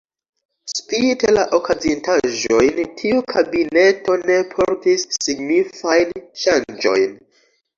Spite la okazintaĵojn, tiu kabineto ne portis signifajn ŝanĝojn.